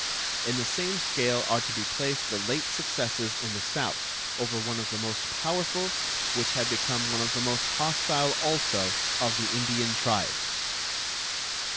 In the same scale are to be placed the late successes in the South over one of the most powerful, which had become one of the most hostile also, of the Indian tribes.